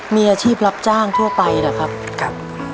มีอาชีพรับจ้างทั่วไปเหรอครับ